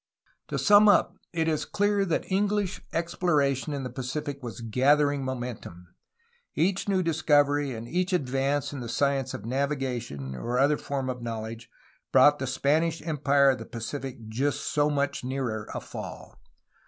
To sum up, it is clear that EngHsh exploration in the Pacific was gathering momentum. Each new discovery and each advance in the science of navigation or other form of knowledge brought the Spanish empire of the Pacific just so much nearer a fall.